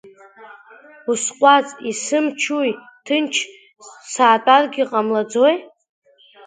Усҟәаҵ, исымчуи, ҭынч саатәаргьы ҟамлаӡои?!